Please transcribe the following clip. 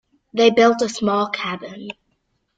They built a small cabin.